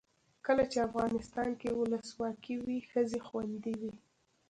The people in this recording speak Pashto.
کله چې افغانستان کې ولسواکي وي ښځې خوندي وي.